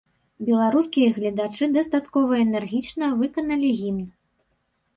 Беларускія гледачы дастаткова энергічна выканалі гімн.